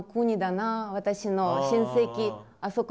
私の親戚あそこ